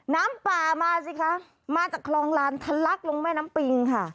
น้ำปลามาจากแยะบางขวานมาจากครองรรณ๓๑ถะลักลงแม่น้ำปริง